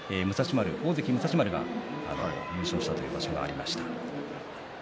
大関武蔵丸が優勝したという場所がありました。